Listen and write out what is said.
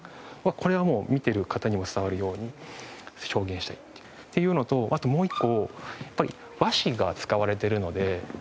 これを見てる方にも伝わるように表現したいっていうのとあともう一個やっぱり和紙が使われてるのでセット自体に。